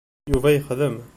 Yuba ixdem.